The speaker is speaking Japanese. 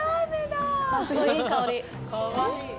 すごい、いい香り。